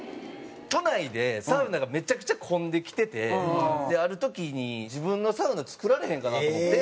都内でサウナがめちゃくちゃ混んできててある時に自分のサウナ作られへんかなと思って。